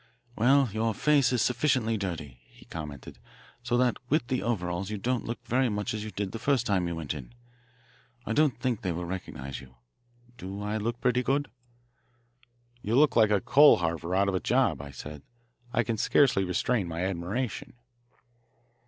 "Well, your face is sufficiently dirty," he commented, "so that with the overalls you don't look very much as you did the first time you went in. I don't think they will recognise you. Do I look pretty good?" "You look like a coal heaver out of a job," I said. "I can scarcely restrain my admiration."